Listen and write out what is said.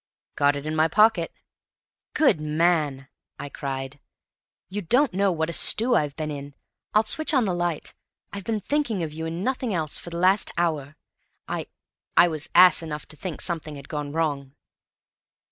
"Got it in my pocket." "Good man!" I cried. "You don't know what a stew I've been in. I'll switch on the light. I've been thinking of you and nothing else for the last hour. I I was ass enough to think something had gone wrong!"